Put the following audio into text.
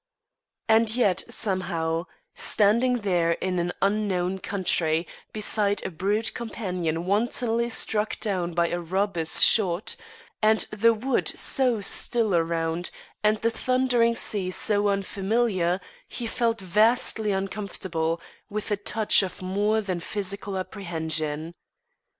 And yet, somehow, standing there in an unknown country beside a brute companion wantonly struck down by a robber's shot, and the wood so still around, and the thundering sea so unfamiliar, he felt vastly uncomfortable, with a touch of more than physical apprehension.